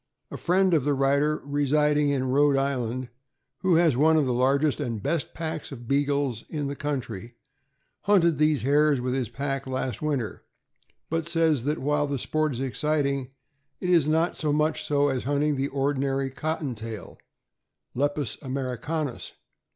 A friend of the writer, residing in Rhode Island, who has one of the largest and best packs of Beagles in the country, hunted these hares with his pack last winter, but says that while the sport is exciting, it is not so much so as hunting the ordinary cotton tail (Lepus Americanus).